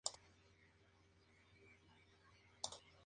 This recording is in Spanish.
En el musical de American Idiot, St.